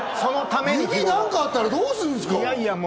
指に何かあったらどうするんですか？